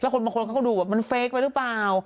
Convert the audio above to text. คนบางคนก็ดูว่ามันเฟคไปรึเปล่า